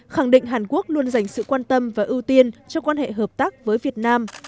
khẳng định hàn quốc luôn dành sự quan tâm và ưu tiên cho quan hệ hợp tác với việt nam